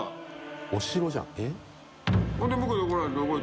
お城じゃんえっ？